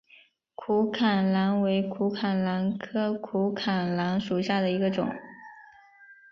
苦槛蓝为苦槛蓝科苦槛蓝属下的一个种。